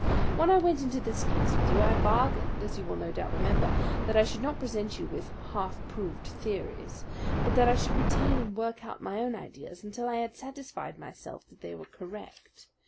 When I went into this case with you I bargained, as you will no doubt remember, that I should not present you with half proved theories, but that I should retain and work out my own ideas until I had satisfied myself that they were correct.